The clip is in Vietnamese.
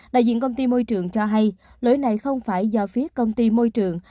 đại diện công ty môi trường cho hay lỗi này không phải do phía công ty môi trường